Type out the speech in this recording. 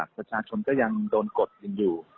ประชาชนก็ยังโดนกดกันอยู่